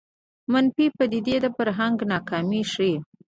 منفي پدیدې د فرهنګ ناکامي ښيي